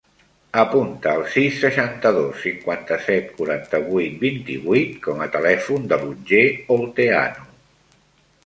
Apunta el sis, seixanta-dos, cinquanta-set, quaranta-vuit, vint-i-vuit com a telèfon de l'Otger Olteanu.